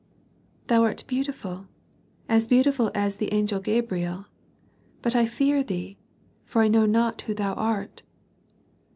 "Thou art beautiful, as beautiful as the angel Gabriel; but I fear thee, for I know not who thou art."